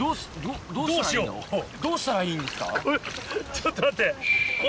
ちょっと待って。